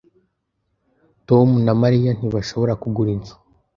Tom na Mariya ntibashobora kugura inzu.